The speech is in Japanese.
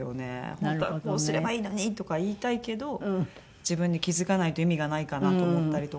本当は「こうすればいいのに」とか言いたいけど自分で気付かないと意味がないかなと思ったりとかして。